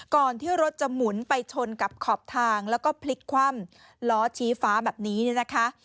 ก่อนที่รถจะหมุนไปชนกับขอบทางแล้วก็พลิกคว่ำล้อชี้ฟ้าแบบนี้เนี่ยนะคะ